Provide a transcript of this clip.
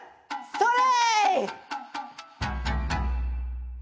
それ！